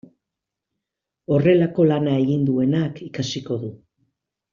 Horrelako lana egin duenak ikasiko du.